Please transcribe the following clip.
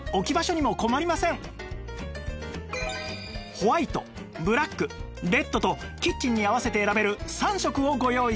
ホワイトブラックレッドとキッチンに合わせて選べる３色をご用意しました